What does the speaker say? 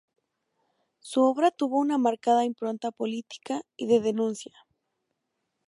Su obra tuvo una marcada impronta política y de denuncia.